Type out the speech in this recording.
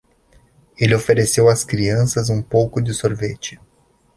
Ele ofereceu às crianças um pouco de sorvete.